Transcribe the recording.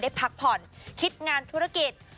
พักผ่อนคิดงานธุรกิจ